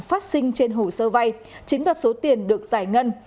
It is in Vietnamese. phát sinh trên hồ sơ vay chiếm đoạt số tiền được giải ngân